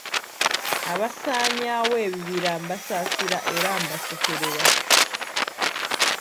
Abasaanyaawo ebibira mbasaasira era mbasekerera.